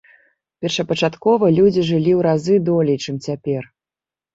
Першапачаткова людзі жылі ў разы долей, чым цяпер.